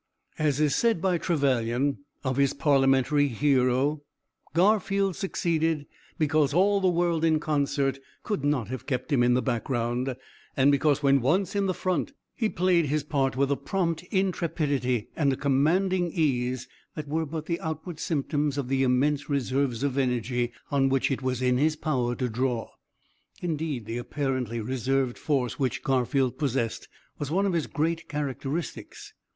As is said by Trevelyan, of his parliamentary hero, Garfield succeeded 'because all the world in concert could not have kept him in the back ground, and because when once in the front he played his part with a prompt intrepidity and a commanding ease that were but the outward symptoms of the immense reserves of energy on which it was in his power to draw.' Indeed, the apparently reserved force which Garfield possessed was one of his great characteristics.